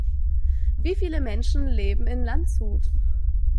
Wie viele Menschen leben in Landshut?